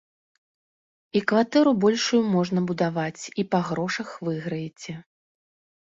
І кватэру большую можна будаваць, і па грошах выйграеце.